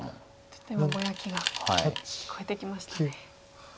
ちょっと今ぼやきが聞こえてきましたね。